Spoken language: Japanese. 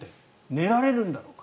寝られるんだろうか。